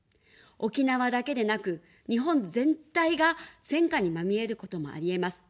沖縄だけでなく、日本全体が戦火にまみえることもありえます。